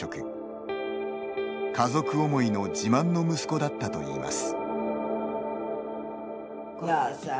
家族思いの自慢の息子だったといいます。